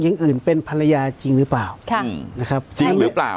หญิงอื่นเป็นภรรยาจริงหรือเปล่าค่ะนะครับจริงหรือเปล่า